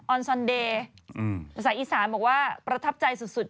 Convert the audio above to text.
อนซอนเดย์ภาษาอีสานบอกว่าประทับใจสุด